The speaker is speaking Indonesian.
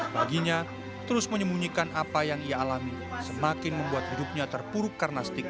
baginya terus menyembunyikan apa yang ia alami semakin membuat hidupnya terpuruk karena stigma